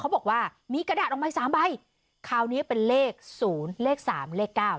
บอกว่ามีกระดาษออกมาสามใบคราวนี้เป็นเลขศูนย์เลขสามเลขเก้า